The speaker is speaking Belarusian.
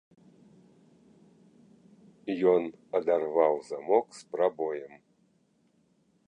Ён адарваў замок з прабоем.